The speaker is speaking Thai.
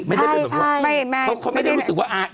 ไม่ได้เป็นแบบว่าเขาไม่ได้รู้สึกว่าอ้าว